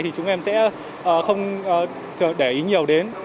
thì chúng em sẽ không để ý nhiều đến